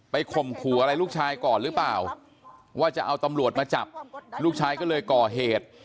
ข่มขู่อะไรลูกชายก่อนหรือเปล่าว่าจะเอาตำรวจมาจับลูกชายก็เลยก่อเหตุ